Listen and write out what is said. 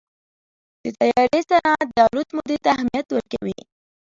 د طیارې سرعت د الوت مودې ته اهمیت ورکوي.